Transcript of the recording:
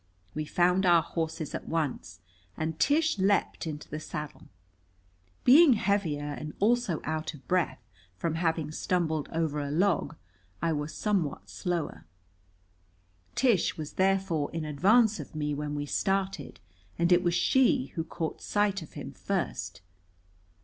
We found our horses at once, and Tish leaped into the saddle. Being heavier and also out of breath from having stumbled over a log, I was somewhat slower. Tish was therefore in advance of me when we started, and it was she who caught sight of him first.